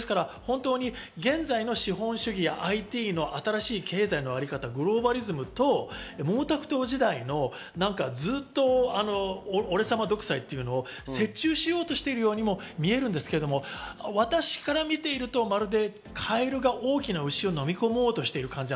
現在の資本主義やＩＴの新しい経済のあり方、グローバリズムとモウ・タクトウ時代のずっと俺様独裁というのを折衷しようとしているようにも見えるんですけど、私から見ていると、まるでカエルが大きな牛を飲み込もうとしている感じ。